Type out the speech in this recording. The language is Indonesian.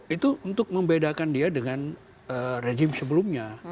itu untuk membedakan dia dengan rejim sebelumnya